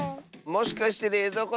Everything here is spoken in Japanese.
もしかしてれいぞう